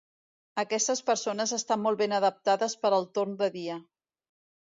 Aquestes persones estan molt ben adaptades per al torn de dia.